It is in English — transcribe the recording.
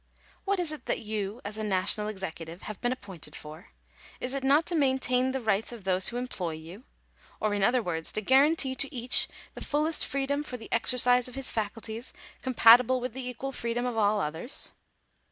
"What is it that you> as a national executive, have been appointed for ? Is it not to maintain the rights of those who employ you; or, in other words, to guarantee to each the fullest freedom for the exercise of his faculties compatible with the equal freedom of all others